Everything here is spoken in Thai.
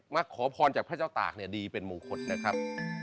มาขอพรจากพระเจ้าตากดีเป็นมงคตนะครับ